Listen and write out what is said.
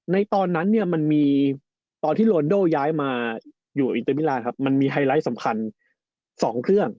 ในตอนนั้นเนี่ยตอนที่ลวันโด้ย้ายมาอยู่อินเตอร์มิลานมันมีไฮไลท์สำคัญสองเรื่อง